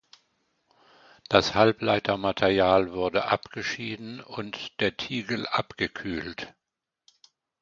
Das Halbleitermaterial wurde abgeschieden und der Tiegel abgekühlt.